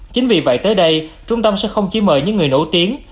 chính vì vậy tới đây trung tâm sẽ không chỉ mời những người nổi tiếng